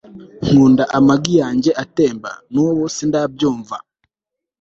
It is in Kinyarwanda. nkunda amagi yanjye atemba. nubu sindabyumva